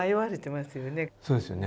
そうですよね。